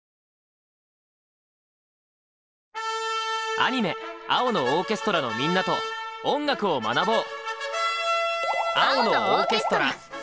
アニメ「青のオーケストラ」のみんなと音楽を学ぼう！